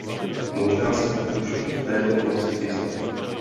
Možná se tak už v této oblasti i stalo.